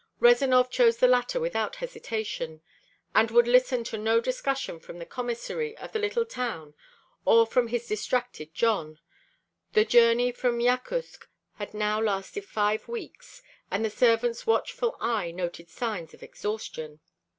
Rezanov chose the latter without hesitation, and would listen to no discussion from the Commissary of the little town or from his distracted Jon: the journey from Yakutsk had now lasted five weeks and the servant's watchful eye noted signs of exhaustion.